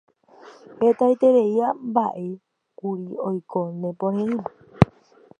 hetaiterei mba'e kuri oiko ne pore'ỹme